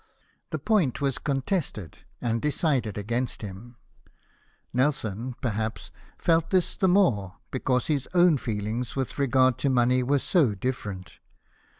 The point was contested, and decided against him. Nelson, perhaps, felt this the more, because his own feelings with regard to money were so different.